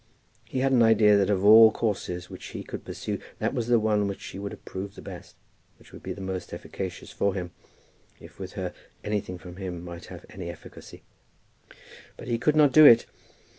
He had an idea that of all courses which he could pursue that was the one which she would approve the best, which would be most efficacious for him, if with her anything from him might have any efficacy. But he could not do it.